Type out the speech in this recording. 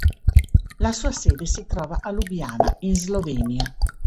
La sua sede si trova a Lubiana, in Slovenia.